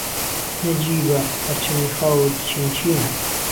نهجیبه، پهرچهمی خاوت چینچینه